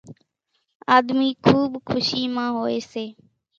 آۮمِي کُوٻ کُشِي مان هوئيَ سي۔